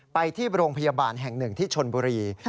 ไปที่โรงพยาบาลแห่งหนึ่งที่ชนบุรี